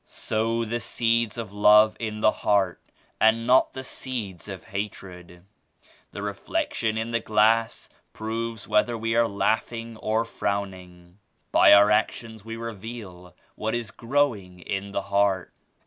"Sow the seeds of love in the heart and not the seeds of hatred. The reflection in the glass proves whether we are laughing or frowning. By our actions we reveal what is growing in the heart.